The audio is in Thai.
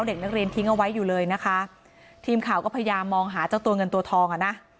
เด็กนักเรียนทิ้งเอาไว้อยู่เลยนะคะทีมข่าวก็พยายามมองหาเจ้าตัวเงินตัวทองอ่ะนะ